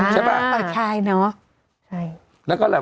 ใช่ป่ะใช่เนอะ